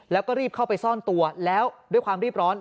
แล้วก็รีบเข้าไปซ่อนตัวแล้วด้วยความรีบร้อน